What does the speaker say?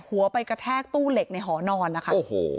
หัวไปกระแทกตู้เหล็กในหอนอนนะคะโอ้โห